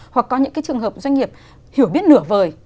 hoặc có những cái trường hợp doanh nghiệp hiểu biết nửa vời